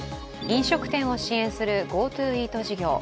飲食店を支援するＧｏＴｏイート事業。